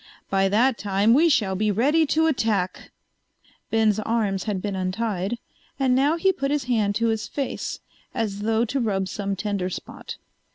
By that time we shall be ready to attack." Ben's arms had been untied, and now he put his hand to his face, as though to rub some tender spot.